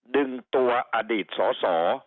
ดึงตัวอดีตสอสอ